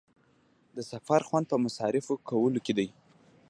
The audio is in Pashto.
د سفر خوند پر مصارفو کولو کې دی.